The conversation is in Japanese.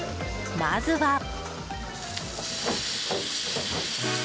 まずは。